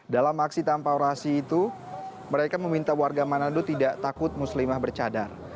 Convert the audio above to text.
dalam aksi tanpa orasi itu mereka meminta warga manado tidak takut muslimah bercadar